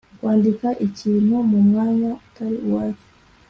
Kwandika ikintu mu mwanya utari uwacyo